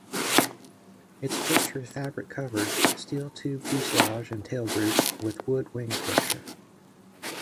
Its structure is fabric-covered, steel tube fuselage and tail group, with wood wing structure.